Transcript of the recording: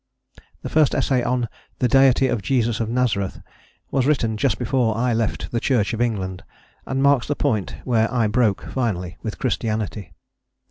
The first essay on the "Deity of Jesus of Nazareth" was written just before I left the Church of England, and marks the point where I broke finally with Christianity.